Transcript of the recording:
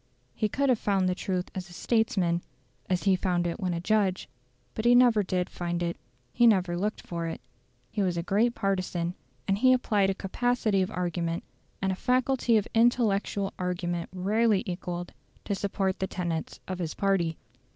He could have found the truth as a statesman just as he found it when a judge; but he never did find it. He never looked for it. He was a great partisan, and he applied a capacity of argument, and a faculty of intellectual argument rarely equalled, to support the tenets of his party.